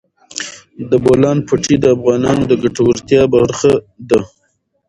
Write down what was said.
د بولان پټي د افغانانو د ګټورتیا برخه ده.